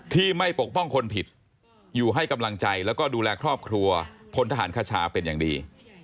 ที่ไม่ปกป้องคนผิดอยู่ให้กำลังใจแล้วก็ดูแลครอบครัวพลทหารคชาเป็นอย่างดี